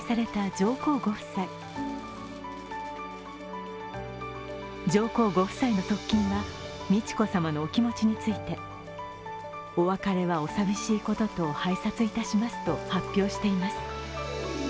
上皇ご夫妻の側近は美智子さまのお気持ちについてお別れはお寂しいことと拝察いたしますと発表しています。